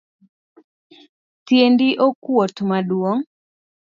Tiendi okuot maduong.